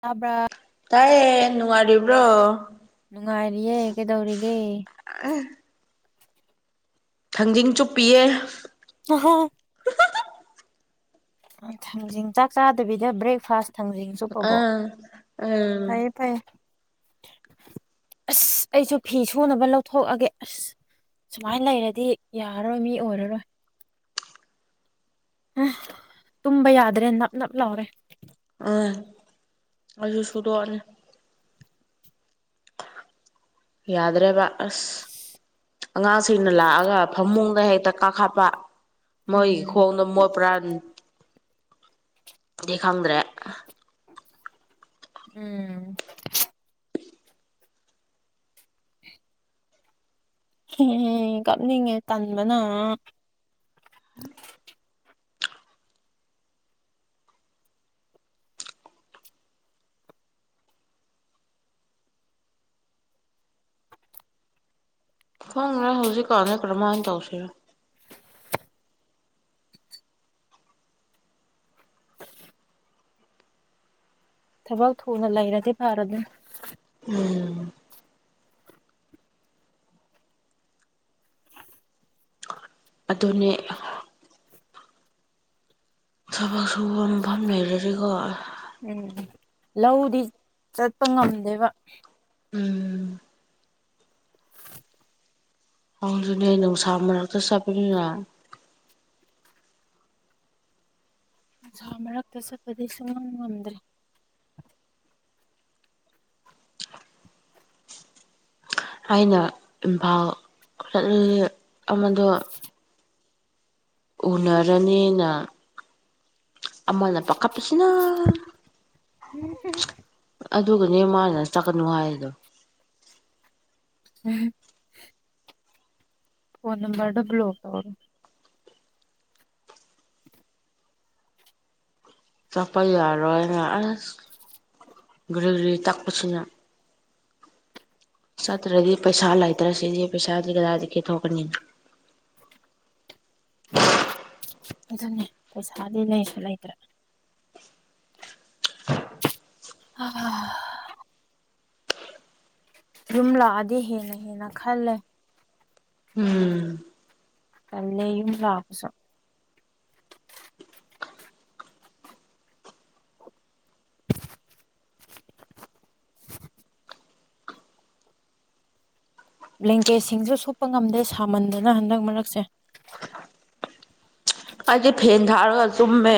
ꯇꯕ꯭ꯔꯥ꯫ ꯇꯥꯏꯌꯦ ꯅꯨꯡꯉꯥꯏꯔꯤꯕ꯭ꯔꯣ꯫ ꯅꯨꯡꯉꯥꯏꯔꯤꯌꯦ ꯀꯩꯗꯧꯔꯤꯒꯦ꯫ ꯑ [unintelligible] ꯊꯥꯡꯖꯤꯡ ꯆꯨꯞꯄꯤꯌꯦ ꯑꯍꯣ ꯊꯥꯡꯖꯤꯡ ꯆꯥꯛ ꯆꯥꯗꯕꯤꯗ ꯕ꯭ꯔꯦꯛꯐꯥꯁ ꯊꯥꯡꯖꯤꯡ ꯆꯨꯞꯄꯕꯣ ꯑꯥ ꯎꯝ ꯐꯩꯌꯦ ꯐꯩ ꯑꯁ ꯑꯩꯁꯨ ꯐꯤ ꯁꯨꯅꯕ ꯂꯧꯊꯣꯛꯑꯒꯦ ꯑꯁ ꯁꯨꯃꯥꯏꯅ ꯂꯩꯔꯗꯤ ꯌꯥꯔꯔꯣꯏ ꯃꯤ ꯑꯣꯏꯔꯔꯣꯏ ꯑ ꯇꯨꯝꯕ ꯌꯥꯗ꯭ꯔꯦ ꯅꯞ ꯅꯞ ꯂꯥꯎꯔꯦ ꯑ ꯑꯩꯁꯨ ꯁꯨꯗꯣꯛꯑꯅꯤ ꯌꯥꯗ꯭ꯔꯦꯕ ꯑꯁ ꯑꯉꯥꯡꯁꯤꯡꯅ ꯂꯥꯛꯑꯒ ꯐꯃꯨꯡꯗ ꯍꯦꯛꯇ ꯀꯥꯈꯠꯄ ꯃꯣꯏ ꯎꯝ ꯈꯣꯡꯗꯣ ꯃꯣꯠꯄꯔꯥ ꯗꯤ ꯈꯪꯗ꯭ꯔꯦ ꯎꯝ [inaudible] ꯎꯝ ꯀꯞꯅꯤꯡꯉꯦ ꯇꯟꯕꯅ ꯈꯪꯗꯦ ꯍꯧꯖꯤꯛꯀꯥꯟꯁꯦ ꯀꯔꯝꯃꯥꯢꯅ ꯇꯧꯁꯤꯔꯥ [inaudible] ꯊꯕꯛ ꯊꯨꯅ ꯂꯩꯔꯗꯤ ꯐꯥꯔꯝꯅꯤ ꯎꯝ ꯑꯗꯨꯅꯦ ꯊꯕꯛ ꯁꯨꯕ ꯃꯐꯝ ꯂꯩꯔꯗꯤꯀꯣ ꯎꯝ ꯂꯧꯗꯤ ꯆꯠꯄ ꯉꯝꯗꯦꯕ ꯎꯝ ꯑꯗꯨꯅꯦ ꯅꯨꯡꯁꯥ ꯃꯔꯛꯇ ꯆꯠꯄꯅꯤꯅ ꯃꯔꯛꯇ ꯆꯠꯄꯗꯤ ꯁꯨꯡꯉꯥꯝ ꯉꯝꯗ꯭ꯔꯦ ꯑꯩꯅ ꯏꯝꯐꯥꯜ ꯆꯠꯂꯗꯤ ꯑꯃꯗꯣ ꯎꯅꯔꯅꯤꯅ ꯑꯃꯅ ꯄꯥꯈꯠꯄꯁꯤꯅ ꯍꯨꯝꯍ [unintelligible] ꯑꯗꯨꯒꯅꯦ ꯃꯥꯅ ꯆꯠꯀꯅꯨ ꯍꯥꯏꯔꯤꯗꯣ ꯎꯝ ꯐꯣꯟ ꯅꯝꯕꯔꯗ ꯕꯂꯣꯛ ꯇꯧ ꯆꯠꯄ ꯌꯥꯔꯣꯢꯅ ꯀ꯭ꯔꯤ ꯀ꯭ꯔꯤ ꯇꯥꯛꯄꯁꯤꯅ ꯆꯠꯇ꯭ꯔꯗꯤ ꯄꯩꯁꯥ ꯂꯩꯇ꯭ꯔ ꯁꯤꯗꯤ ꯄꯩꯁꯥꯗꯤ ꯀꯗꯥꯏꯗꯒꯤ ꯊꯣꯛꯀꯅꯤ ꯑꯗꯨꯅꯦ ꯄꯩꯁꯥꯗꯤ ꯂꯩꯁꯨ ꯂꯩꯇ꯭ꯔꯦ ꯍꯥ [unintelligible] ꯌꯨꯝ ꯂꯥꯛꯑꯗꯤ ꯍꯦꯟꯅ ꯍꯦꯟꯅ ꯈꯜꯂꯦ ꯎꯝ ꯇꯥꯜꯂꯦ ꯌꯨꯝ ꯂꯥꯛꯕꯁꯨ [inaudible] ꯕ꯭ꯂꯦꯡꯀꯦꯠꯁꯤꯡꯁꯨ ꯁꯣꯛꯄ ꯉꯝꯗꯦ ꯁꯥꯃꯟꯗꯅ ꯍꯟꯗꯛ ꯃꯔꯛꯁꯦ ꯑꯩꯗꯤ ꯐꯦꯟ ꯊꯥꯔꯒ ꯇꯨꯝꯃꯦ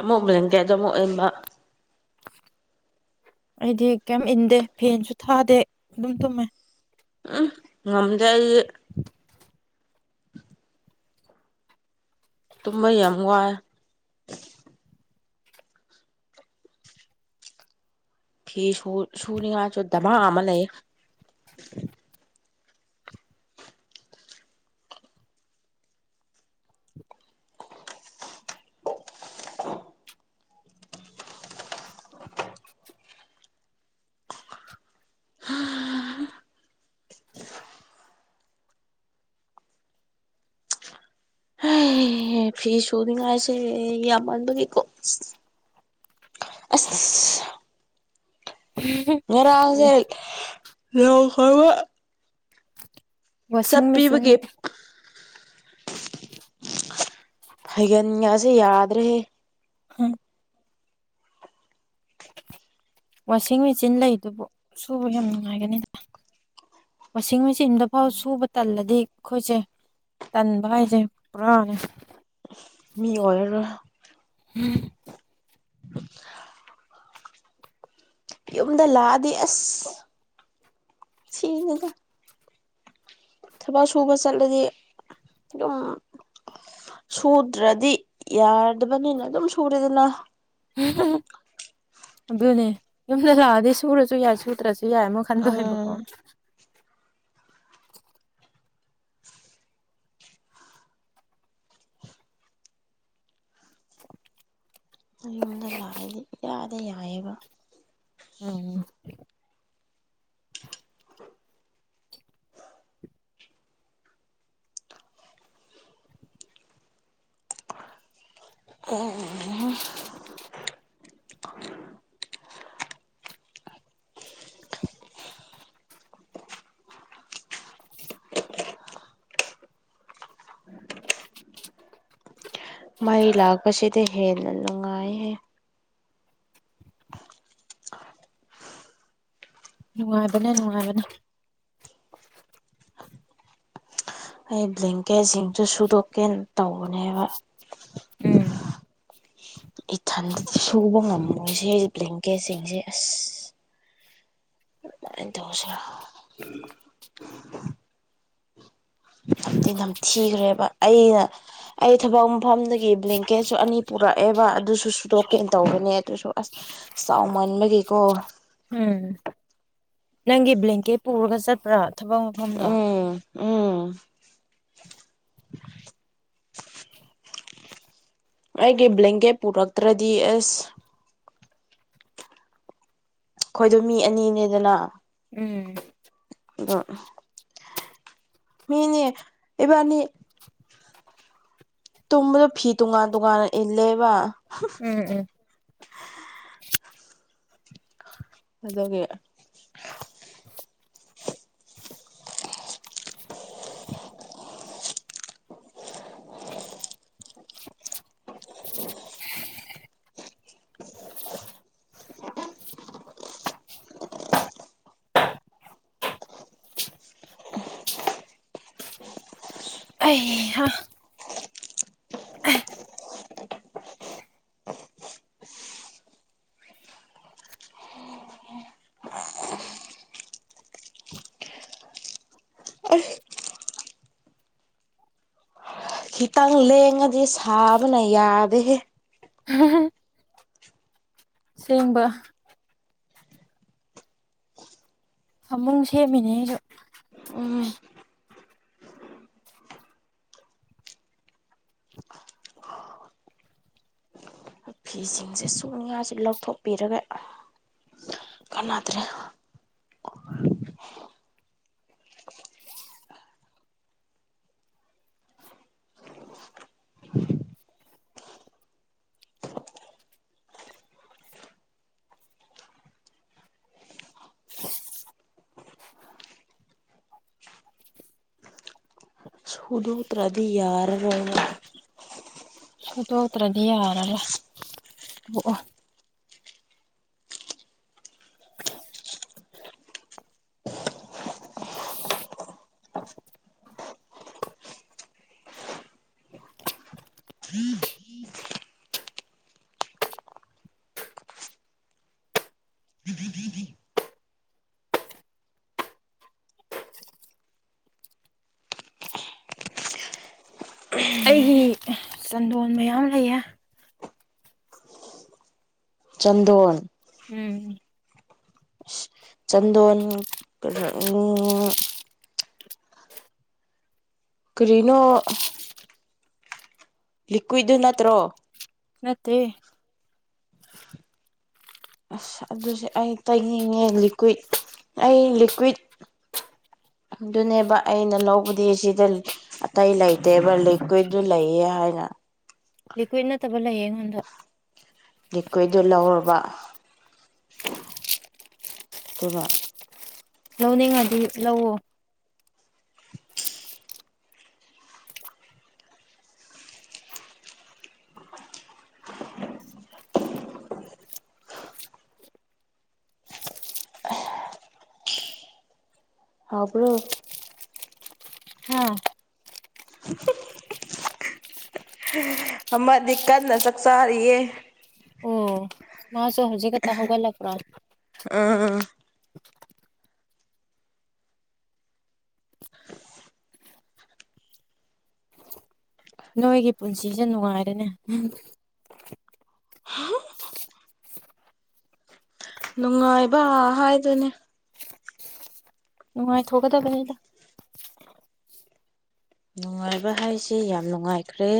ꯑꯃꯨꯛ ꯕꯂꯦꯟꯀꯦꯠꯗꯣ ꯑꯃꯨꯛ ꯏꯟꯕ ꯑꯩꯗꯤ ꯀꯩꯝ ꯏꯟꯗꯦ ꯐꯦꯟꯁꯨ ꯊꯥꯗꯦ ꯑꯗꯨꯝ ꯇꯨꯝꯃꯦ ꯑꯝ ꯉꯝꯗꯦ ꯑꯩꯗꯤ [inaudible] ꯇꯨꯝꯕ ꯌꯥꯝ ꯋꯥꯢ ꯐꯤ ꯁꯨ ꯁꯨꯅꯤꯡꯉꯥꯏꯁꯨ ꯗꯃꯥ ꯑꯃ ꯂꯩ꯫ ꯑꯦ ꯐꯤ ꯁꯨꯅꯤꯡꯉꯥꯏꯁꯦ ꯌꯥꯝꯃꯟꯕꯒꯤꯀꯣ꯫ [unintelligible] ꯉꯔꯥꯡꯁꯦ [inaudible] ꯋꯥꯁꯤꯡ ꯃꯦꯆꯤꯟ ꯆꯠꯄꯤꯕꯒꯤ ꯐꯩꯒꯟꯒꯁꯦ ꯌꯥꯗ꯭ꯔꯦꯍꯦ꯫ ꯋꯥꯁꯤꯡ ꯃꯦꯆꯤꯟ ꯂꯩꯗꯨꯕꯨ ꯁꯨꯕ ꯌꯥꯝ ꯅꯨꯡꯉꯥꯏꯒꯅꯤꯗ꯫ ꯋꯥꯁꯤꯡ ꯃꯦꯆꯤꯟꯗꯐꯥꯎ ꯁꯨꯕ ꯇꯜꯂꯗꯤ ꯑꯩꯈꯣꯏꯁꯦ꯫ ꯇꯟꯕ ꯍꯥꯏꯁꯦ ꯄꯨꯔꯥꯅꯦ꯫ ꯃꯤ ꯑꯣꯏꯔꯔꫭꯏ꯫ [unintelligible] ꯌꯨꯝꯗ ꯂꯥꯛꯑꯗꯤ ꯑꯁ ꯏꯁꯤꯅꯤꯗ꯫ ꯊꯕꯛ ꯁꯨꯕ ꯆꯠꯂꯗꯤ ꯌꯨꯝ ꯁꯨꯗ꯭ꯔꯗꯤ ꯌꯥꯔꯗꯕꯅꯤꯅ ꯑꯗꯨꯝ ꯁꯨꯔꯦꯗꯅ꯫ ꯑꯗꯨꯅꯦ ꯌꯨꯝꯗ ꯂꯥꯛꯑꯗꯤ ꯁꯨꯔꯁꯨ ꯌꯥꯏ ꯁꯨꯗ꯭ꯔꯁꯨ ꯌꯥꯏ ꯃꯣꯏ ꯈꯟꯗꯣꯏꯕ ꯎꯝ ꯀꯣ꯫ [unintelligible] ꯌꯨꯝꯗ ꯂꯥꯛꯏꯗꯤ ꯏꯌꯥꯗ ꯌꯥꯑꯦꯕ꯫ ꯎꯝ꯫ [unintelligible] ꯃꯩ ꯂꯥꯛꯄꯁꯤꯗꯤ ꯍꯦꯟꯅ ꯅꯨꯡꯉꯥꯏꯍꯦ꯫ ꯅꯨꯡꯉꯥꯏꯕꯅꯦ ꯅꯨꯡꯉꯥꯏꯕꯅꯦ꯫ ꯑꯩ ꯕ꯭ꯂꯦꯡꯀꯦꯠ ꯁꯤꯡꯁꯨ ꯁꯨꯗꯣꯛꯀꯦ ꯇꯧꯕꯅꯦꯕ꯫ ꯎꯝ꯫ ꯏꯊꯟꯗꯗꯤ ꯁꯨꯕ ꯉꯝꯃꯣꯏꯁꯦ ꯑꯩ ꯕ꯭ꯂꯦꯡꯀꯦꯠꯁꯤꯡꯁꯦ ꯑꯁ꯫ [inaudible] [inaudible] ꯅꯝꯗꯤ ꯅꯝꯊꯤꯈ꯭ꯔꯦꯕ ꯑꯩꯅ ꯑꯩ ꯊꯕꯛ ꯃꯐꯝꯗꯒꯤ ꯕ꯭ꯂꯦꯡꯀꯦꯠꯁꯨ ꯑꯅꯤ ꯄꯨꯔꯛꯑꯦꯕ ꯑꯗꯨꯁꯨ ꯁꯨꯇꯣꯛꯀꯦꯅ ꯇꯧꯕꯅꯦ ꯑꯗꯨꯁꯨ ꯑꯁ꯫ ꯆꯥꯎꯃꯟꯕꯒꯤꯀꯣ꯫ ꯎꯝ ꯅꯪꯒꯤ ꯕ꯭ꯂꯦꯡꯀꯦꯠ ꯄꯨꯔꯒ ꯆꯠꯄ꯭ꯔꯥ ꯊꯕꯛ ꯃꯐꯝꯗ ꯎꯝ ꯎꯝ꯫ ꯑꯩꯒꯤ ꯕ꯭ꯂꯦꯡꯀꯦꯠ ꯄꯨꯔꯛꯇ꯭ꯔꯗꯤ ꯑꯁ꯫ ꯈꯣꯏꯗꯣ ꯃꯤ ꯑꯅꯤꯅꯦꯗꯅ꯫ ꯎꯝ꯫ [unintelligible] ꯃꯤꯅꯦ ꯏꯕꯥꯅꯤ ꯇꯨꯝꯕꯗ ꯐꯤ ꯇꯣꯉꯥꯟ ꯇꯣꯉꯥꯟꯅ ꯏꯜꯂꯦꯕ꯫ ꯎꯝ ꯎꯝ꯫ ꯑꯗꯨꯒꯤ꯫ [unintelligible] [unintelligible] ꯈꯤꯇꯪ ꯂꯦꯡꯉꯗꯤ ꯁꯥꯕꯅ ꯌꯥꯗꯦꯍꯦ꯫ [unintelligible] ꯁꯦꯡꯕ꯫ ꯐꯃꯨꯨꯡ ꯁꯦꯝꯃꯤꯅꯦ ꯑꯩꯁꯨ꯫ ꯎꯝ꯫ ꯐꯤꯁꯤꯡꯁꯦ ꯁꯨꯅꯤꯡꯉꯁꯤ ꯂꯧꯊꯣꯛꯄꯤꯔꯒ ꯀꯥꯟꯅꯗ꯭ꯔꯦ꯫ ꯁꯨꯗꯣꯛꯇ꯭ꯔꯗꯤ ꯌꯥꯔꯔꯣꯏꯕ꯫ ꯁꯨꯗꯣꯛꯇ꯭ꯔꯗꯤ ꯌꯥꯔ ꯔꯣꯏ ꯑꯣ꯫ ꯑꯩꯒꯤ ꯆꯟꯗꯣꯟ ꯃꯌꯥꯝ ꯂꯩꯌꯦ꯫ ꯆꯟꯗꯣꯟ꯫ ꯎꯝ꯫ ꯆꯟꯗꯣꯟ ꯎꯝ ꯀꯔꯤꯅꯣ꯫ ꯂꯤꯀ꯭ꯋꯤꯗꯨ ꯅꯠꯇ꯭ꯔꯣ꯫ ꯅꯠꯇꯦ꯫ ꯑꯁ ꯑꯗꯨꯁꯦ ꯑꯩ ꯇꯩꯅꯤꯡꯉꯦ ꯂꯤꯀ꯭ꯋꯤꯠ ꯑꯩ ꯂꯤꯀ꯭ꯋꯤꯠ꯫ ꯑꯗꯨꯅꯦꯕ ꯑꯩꯅ ꯂꯧꯕꯗꯤ ꯁꯤꯗ ꯑꯇꯩ ꯂꯩꯇꯦꯕ ꯂꯤꯀ꯭ꯋꯤꯠꯗꯨ ꯂꯩꯌꯦ ꯍꯥꯏꯅ꯫ ꯂꯤꯀꯨꯋꯤꯠ ꯅꯠꯇꯥꯕ ꯂꯩꯌꯦ ꯑꯩꯉꯣꯟ꯫ ꯂꯤꯀꯨꯋꯤꯠꯗꯣ ꯂꯧꯔꯕꯥ ꯑꯗꯨꯅ ꯂꯧꯅꯤꯡꯉꯥꯗꯤ ꯂꯧꯑꯣ꯫ [unintelligible] ꯍꯥꯎꯕ꯭ꯔꯣ꯫ ꯍꯥꯥ꯫ ꯑꯃꯥꯗꯤ ꯀꯟꯅꯥ ꯆꯥꯛꯆꯥꯥꯔꯤꯌꯦ꯫ ꯑꯣ ꯃꯥꯁꯨ ꯍꯧꯖꯤꯛꯈꯇꯥ ꯍꯧꯒꯠꯂꯛꯄꯥꯔ ꯎꯝ꯫ ꯅꯣꯏꯒꯤ ꯄꯨꯟꯁꯤꯁꯦ ꯅꯨꯡꯉꯥꯏꯔꯦꯅꯦ꯫ ꯅꯨꯡꯉꯥꯏꯕ ꯍꯥꯏꯗꯨꯅꯦ꯫ ꯅꯨꯉꯥꯏꯊꯣꯛꯀꯥꯗꯕꯅꯤ꯫ ꯅꯨꯡꯉꯥꯏꯕ ꯍꯥꯏꯁꯦ ꯌꯥꯝ ꯅꯨꯡꯉꯥꯏꯈ꯭ꯔꯦ꯫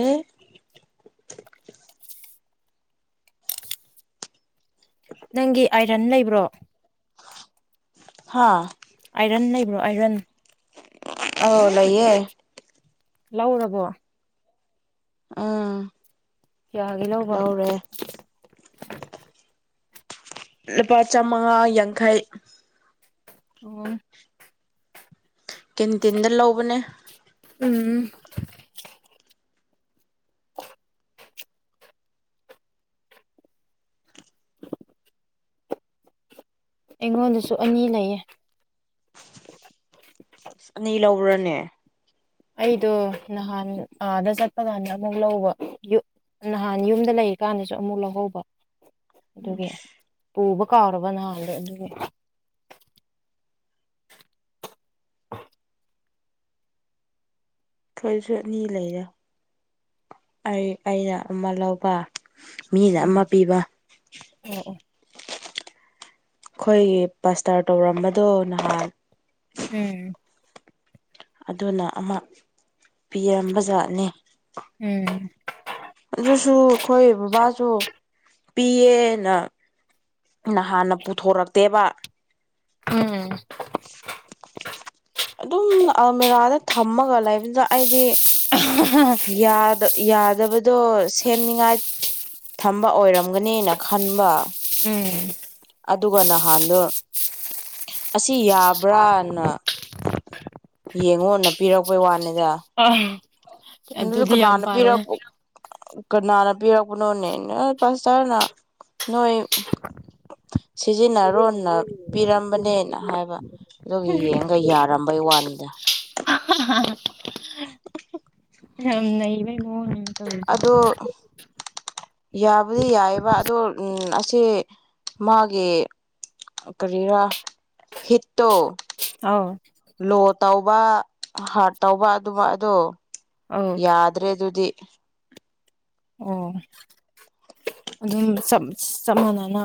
ꯅꯪꯒꯤ ꯑꯥꯏꯔꯟ ꯂꯩꯕ꯭ꯔꯣ꯫ ꯍꯥꯥ꯫ ꯑꯥꯏꯔꯟ ꯂꯩꯕ꯭ꯔꯣ ꯑꯥꯏꯔꯟ꯫ ꯑꯥꯎ ꯂꯩꯌꯦ꯫ ꯂꯧꯎꯔꯕꯣ꯫ ꯎꯝ꯫ ꯀꯌꯥꯒꯤ ꯂꯧꯕ꯫ ꯂꯧꯔꯦ ꯂꯨꯄꯥ ꯆꯥꯃꯉꯥ ꯌꯥꯡꯈꯩ꯫ ꯑꯣ꯫ ꯀꯦꯟꯇꯤꯟꯗꯥ ꯂꯧꯕꯅꯦ꯫ ꯎꯝ꯫ ꯑꯩꯉꯣꯟꯗꯥꯁꯨ ꯑꯅꯤ ꯂꯩꯌꯦ꯫ ꯑꯁ ꯑꯅꯤ ꯂꯧꯕ꯭ꯔꯅꯦ꯫ ꯑꯩꯗꯣ ꯅꯍꯥꯟ ꯑꯥꯗ ꯆꯠꯄ ꯀꯥꯟꯗ ꯑꯃꯨꯛ ꯂꯧꯕ ꯌꯨ ꯅꯍꯥꯟ ꯌꯨꯝꯗꯥ ꯂꯩꯔꯤ ꯀꯥꯟꯗꯁꯨ ꯑꯃꯨꯛ ꯂꯧꯍꯧꯕ꯫ ꯑꯗꯨꯒꯤ ꯄꯨꯕ ꯀꯥꯎꯔꯕ ꯅꯍꯥꯟꯗꯣ ꯑꯗꯨꯒꯤ꯫ [unintelligible] ꯑꯈꯣꯏꯁꯨ ꯑꯅꯤ ꯂꯩꯔꯦ ꯑꯩ ꯑꯩꯅ ꯑꯃꯥ ꯂꯧꯕ ꯃꯤꯅ ꯎꯝ ꯑꯃꯥ ꯄꯤꯕ ꯑꯣ ꯑꯣ ꯑꯈꯣꯏꯒꯤ ꯄꯥꯁꯇꯔ ꯇꯧꯔꯝꯕꯗꯣ ꯅꯍꯥꯟ ꯎꯝ ꯑꯗꯨꯅ ꯑꯃ ꯄꯤꯔꯝꯕ ꯖꯥꯠꯅꯤ ꯎꯝ ꯑꯗꯨꯁꯨ ꯑꯈꯣꯏ ꯕꯥꯕꯥꯁꯨ ꯄꯤꯌꯦꯅ ꯅꯍꯥꯟꯅ ꯄꯨꯊꯣꯔꯛꯇꯦꯕ ꯎꯝ ꯑꯗꯨꯝ ꯑꯜꯃꯦꯔꯥꯗꯥ ꯊꯝꯃꯥꯒ ꯂꯩꯕꯗꯨꯗ ꯑꯩꯗꯤ [unintelligible] ꯌꯥꯗꯕꯗꯣ ꯁꯦꯝꯅꯤꯉꯥꯏ ꯊꯝꯕ ꯑꯣꯏꯔꯝꯒꯥꯅꯤꯅ ꯈꯟꯕ ꯎꯝ ꯑꯗꯨꯒꯥ ꯅꯍꯥꯟꯗꯣ ꯑꯁꯤ ꯌꯥꯕ꯭ꯔꯥꯅ ꯌꯦꯡꯉꯣꯅ ꯄꯤꯔꯛꯄꯩ ꯋꯥꯅꯦꯗ ꯑꯥ ꯑꯗꯨꯗꯤ ꯌꯥꯝ ꯀꯅꯥꯅ ꯐꯥꯔꯦ ꯄꯤꯔꯛꯄ ꯀꯅꯥꯅ ꯄꯤꯔꯛꯄꯥꯅꯣꯅꯦ ꯄꯥꯁꯇꯔꯅ ꯅꯣꯏ ꯁꯤꯖꯤꯟꯅꯔꯣꯅ ꯄꯤꯔꯝꯕꯅꯦꯅ ꯍꯥꯏꯕ ꯑꯗꯨꯒ ꯌꯦꯡꯉꯥꯒ ꯌꯥꯔꯝ ꯕꯥꯩ ꯋꯥꯟꯅꯦ ꯍ ꯍꯥ [unintelligible] [inaudible] ꯌꯥꯝ ꯅꯩꯕꯩ ꯃꯑꯣꯡꯅꯤꯅꯦ ꯑꯗꯣ ꯌꯥꯕꯨꯗꯤ ꯌꯥꯏꯑꯦꯕ ꯑꯗꯣ ꯎꯝ ꯑꯁꯤ ꯃꯥꯒꯤ ꯀꯔꯤꯔ ꯍꯤꯠꯇꯣ ꯑꯥꯎ ꯂꯣ ꯇꯧꯕ ꯍꯥꯔꯠ ꯇꯧꯕ ꯑꯗꯨꯝꯕ ꯑꯗꯣ ꯑꯧ ꯌꯥ ꯗ꯭ꯔꯦ ꯑꯗꯨꯗꯤ ꯑꯣ ꯑꯗꯨꯝ ꯆꯞ ꯃꯥꯟꯅꯅ